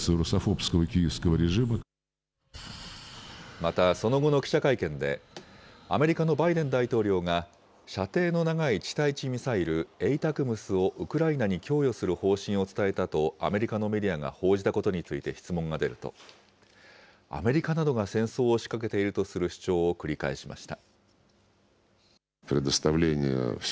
またその後の記者会見で、アメリカのバイデン大統領が、射程の長い地対地ミサイル、ＡＴＡＣＭＳをウクライナに供与する方針を伝えたとアメリカのメディアが報じたことについて質問が出ると、アメリカなどが戦争を仕掛けているとする主張を繰り返しました。